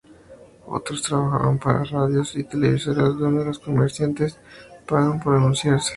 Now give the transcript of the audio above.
Otros trabajan para radios y televisoras donde los comerciantes pagan por anunciarse.